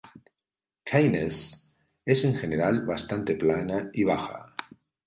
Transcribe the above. Caithness es en general bastante plana y baja.